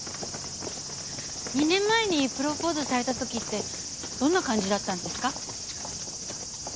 ２年前にプロポーズされた時ってどんな感じだったんですか？